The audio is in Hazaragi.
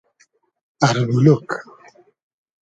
اربولوگ